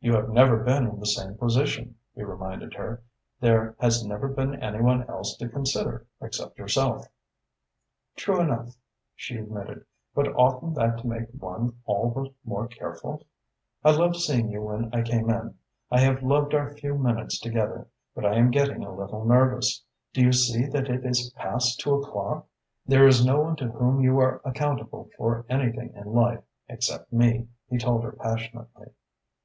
"You have never been in the same position," he reminded her. "There has never been any one else to consider except yourself." "True enough," she admitted, "but oughtn't that to make one all the more careful? I loved seeing you when I came in, and I have loved our few minutes together, but I am getting a little nervous. Do you see that it is past two o'clock?" "There is no one to whom you are accountable for anything in life except to me," he told her passionately.